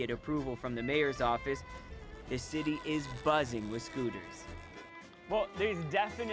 dan dapat melihat di atas semua orang lain